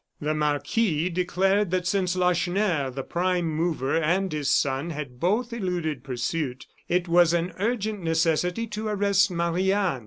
The marquis declared that since Lacheneur, the prime mover, and his son, had both eluded pursuit, it was an urgent necessity to arrest Marie Anne.